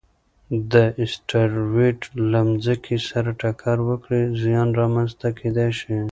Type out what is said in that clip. که اسټروېډ له ځمکې سره ټکر وکړي، زیان رامنځته کېدای شي.